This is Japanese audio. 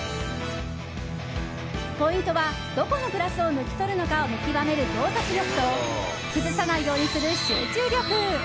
ポイントはどこのグラスを抜き取るのかを見極める洞察力と崩さないようにする集中力。